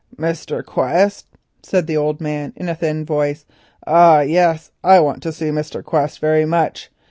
"Mr. Quest?" said the old man in a high thin voice. "Ah, yes, I want to see Mr. Quest very much.